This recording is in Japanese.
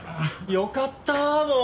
よかったもう。